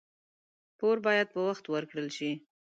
پور باید په وخت ورکړل شي.